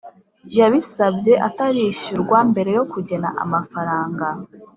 Yabisabye atarishyurwa mbere yo kugena amafaranga